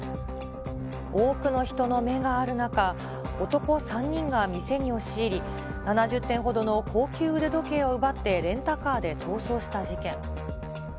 多くの人の目がある中、男３人が店に押し入り、７０点ほどの高級腕時計を奪ってレンタカーで逃走した事件。